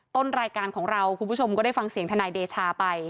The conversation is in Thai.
ต้นรายการของเราคุณผู้ชมก็ได้ฟังเสียงทนายเดชาไป